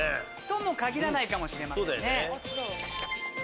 とも限らないかもしれませんね。